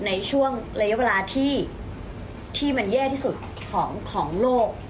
ในช่วงระยะเวลาที่มันแย่ที่สุดของโลก